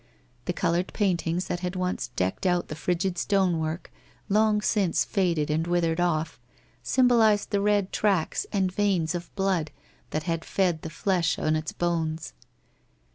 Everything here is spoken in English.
The coloured paintings that had once decked out the frigid stonework, long since faded and withered off, symbolized the red tracks and veinings of blood that had fed the flesh on its bones.